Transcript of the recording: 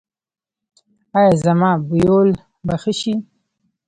ایا زما بویول به ښه شي؟